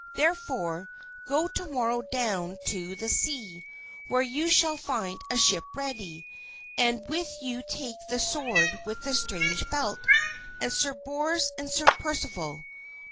Therefore, go to morrow down to the sea where you shall find a ship ready; and with you take the sword with the strange belt, and Sir Bors and Sir Percival.